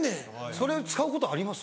それ使うことあります？